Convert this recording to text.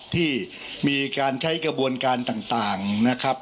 ที่มีการใช้กระบวนการต่างนะครับ